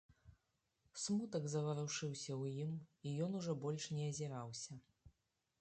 Смутак заварушыўся ў ім, і ён ужо больш не азіраўся.